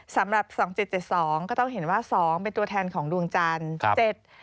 สำหรับ๒๗๗๒ก็ต้องเห็นว่า๒เป็นตัวแทนของดวงจันทร์